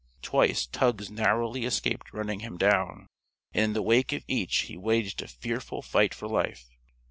Twice tugs narrowly escaped running him down, and in the wake of each he waged a fearful fight for life.